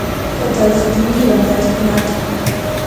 خو دلته د ملي وحدت حکومت.